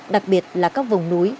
đặc biệt là các vùng núi